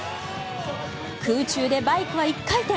空中でバイクは１回転。